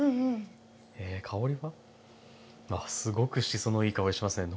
香りはあっすごくしそのいい香りしますね。